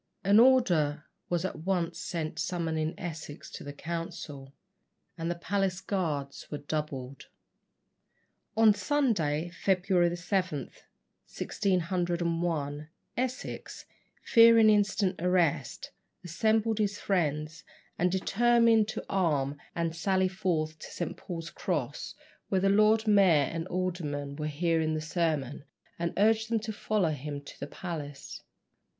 An order was at once sent summoning Essex to the council, and the palace guards were doubled. On Sunday, February 7, 1601, Essex, fearing instant arrest, assembled his friends, and determined to arm and sally forth to St. Paul's Cross, where the Lord Mayor and aldermen were hearing the sermon, and urge them to follow him to the palace.